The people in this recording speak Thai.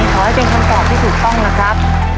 ขอให้เป็นคำตอบที่ถูกต้องนะครับ